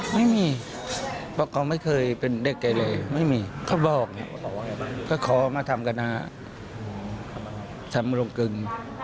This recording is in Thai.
ไม่มีเพราะเขาไม่เคยเป็นเด็กใดเลยไม่มีเขาบอกก็ขอมาทำกันทำลงกึ่ง